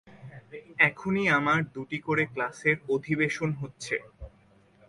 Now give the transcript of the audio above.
এখনই আমার দুটি করে ক্লাসের অধিবেশন হচ্ছে।